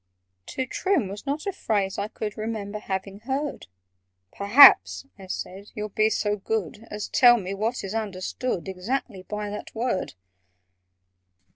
"To trim" was not a phrase I could Remember having heard: "Perhaps," I said, "you'll be so good As tell me what is understood Exactly by that word?"